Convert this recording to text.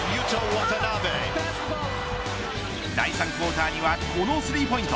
第３クオーターにはこのスリーポイント。